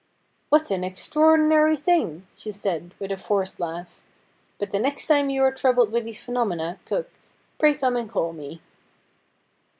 ' What an extraordinary thing !' she said, with a forced laugh ;' but the next time you are troubled with these phe nomena, cook, pray come and call me.'